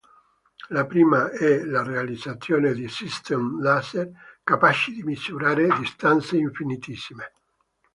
La prima è la realizzazione di sistemi laser capaci di misurare distanze infinitesime.